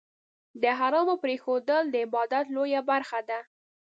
د حرامو پرېښودل، د عبادت لویه برخه ده.